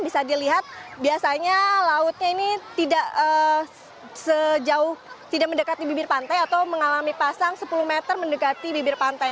bisa dilihat biasanya lautnya ini tidak sejauh tidak mendekati bibir pantai atau mengalami pasang sepuluh meter mendekati bibir pantai